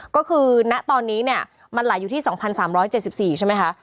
ก็คือณตอนนี้เนี่ยมันไหลอยู่ที่๒๓๗๔ใช่ไหมคะ